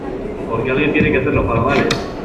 porque alguien tiene que hacerlo, Palomares.